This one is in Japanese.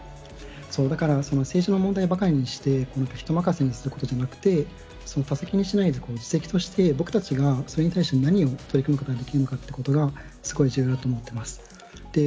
だから、政治の問題ばかりにして、人任せにすることじゃなくて、他責にしないで、自責として、僕たちがそれに対して何かを取り組むことができるのかっていうところが、すごい重要だと思っています。